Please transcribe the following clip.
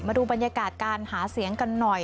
มาดูบรรยากาศการหาเสียงกันหน่อย